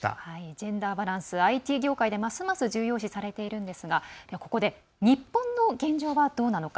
ジェンダーバランスＩＴ業界でますます重要視されているんですがここで、日本の現状はどうなのか。